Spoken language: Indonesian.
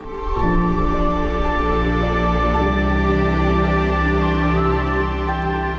langkah retno menjalankan kemampuan untuk menjaga keamanan